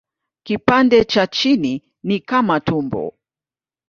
Kipande cha chini ni kama tumbo.